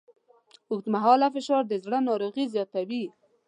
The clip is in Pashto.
اوږدمهاله فشار د زړه ناروغۍ زیاتوي.